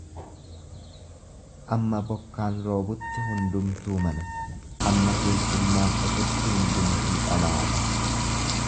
Amma bokkaan roobutti hundumtuu mana, amma keessummaan dhufutti hundumtuu dhalaadha.